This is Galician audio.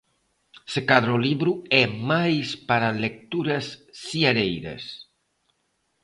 Se cadra o libro é máis para lecturas seareiras.